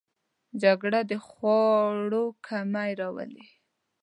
جګړه د خوړو کمی راولي